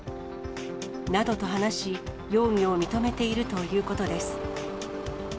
などと話し、容疑を認めているということです。